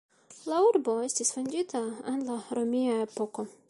La urbo estis fondita en la romia epoko.